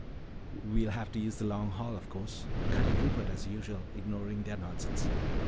"We'll have to use the Long Hall, of course," cut in Rupert, as usual ignoring their nonsense.